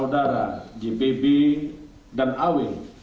saudara gbb dan aw